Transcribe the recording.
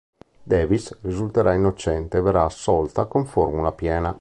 Davis risulterà innocente e verrà assolta con formula piena..